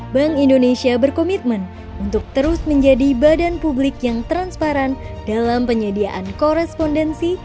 bank indonesia berkomitmen untuk terus menjadi badan publik yang transparan dalam penyediaan korespondensi